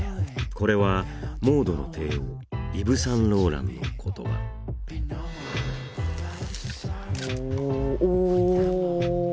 これはモードの帝王イヴ・サンローランの言葉おおおお！